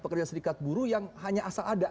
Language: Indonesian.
pekerja serikat buruh yang hanya asal ada